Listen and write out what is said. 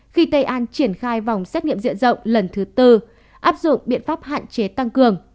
khi tây an triển khai vòng xét nghiệm diện rộng lần thứ tư áp dụng biện pháp hạn chế tăng cường